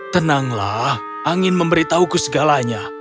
tenanglah angin memberitahuku segalanya